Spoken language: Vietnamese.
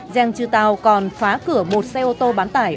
jeng chư tao còn phá cửa một xe ô tô bán tải